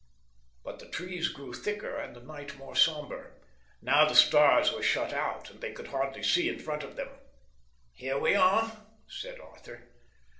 But the trees grew thicker and the night more sombre. Now the stars were shut out, and they could hardly see in front of them. "Here we are," said Arthur.